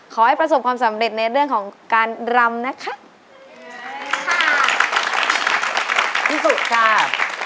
ขอให้ประสบความสำเร็จในเรื่องของการรำนะคะ